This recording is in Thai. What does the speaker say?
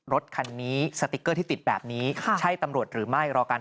รถคันนี้สติ๊กเกอร์ที่ติดแบบนี้ใช่ตำรวจหรือไม่รอการ